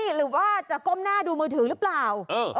หรือว่าจะก้มหน้าดูมือถือหรือเปล่า